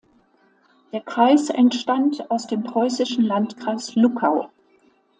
Der Kreis entstand aus dem preußischen Landkreis Luckau.